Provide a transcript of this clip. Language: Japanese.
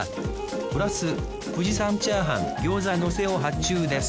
プラス富士山チャーハン餃子のせを発注です